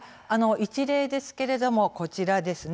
一例ですけれどもこちらです。